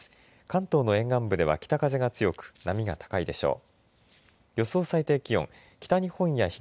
関東の沿岸部では北風が強く波が高いでしょう。